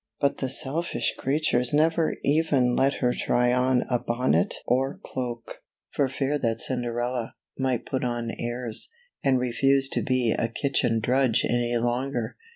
But the selfish creatures never even let her try on a bonnet or cloak, for fear that Cinderella might put on airs, and refuse to be a kitchen drudge any longer.